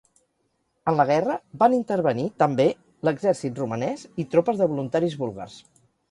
En la guerra, van intervenir també l'exèrcit romanès i tropes de voluntaris búlgars.